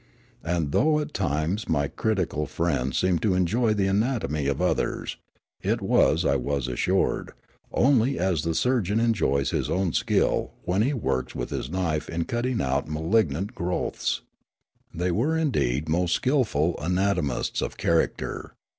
And though at times ni}' critical friends seemed to enjoy the anatoni}^ of others, it was, I was assured, only as the surgeon enjoj^s his own skill when he works with his knife in cutting out malignant growths. They were indeed most skilful anatomists of character.